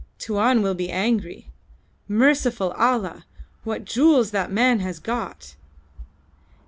Tuan will be angry. Merciful Allah! what jewels that man has got!"